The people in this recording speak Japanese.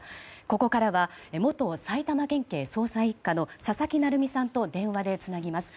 ここからは元埼玉県警捜査１課の佐々木成三さんと電話でつなぎます。